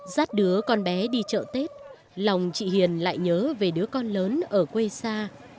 rát đứa con bé đi chợ tết lòng chị hiền lại nhớ về đứa con lớn ở quê xa